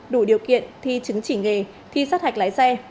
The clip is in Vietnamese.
đủ điều kiện thi chứng chỉ nghề thi sát hạch lái xe